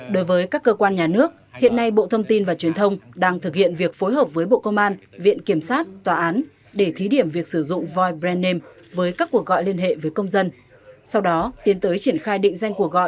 đối với các cơ quan nhà nước hiện nay bộ thông tin và truyền thông đang thực hiện việc phối hợp với bộ công an viện kiểm sát tòa án để thí điểm việc sử dụng voip brand name khi liên hệ với khách hàng